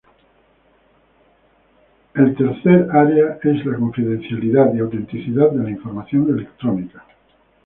La tercer área es la confidencialidad y autenticidad de la información electrónica.